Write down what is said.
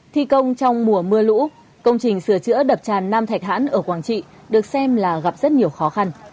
thi công trong mùa mưa lũ công trình sửa chữa đập tràn nam thạch hãn ở quảng trị được xem là gặp rất nhiều khó khăn